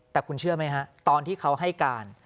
แต่คุณเชื่อไหมฮะตอนที่เขาให้การ